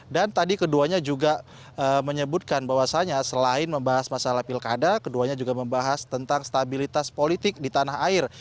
tadi keduanya juga menyebutkan bahwasannya selain membahas masalah pilkada keduanya juga membahas tentang stabilitas politik di tanah air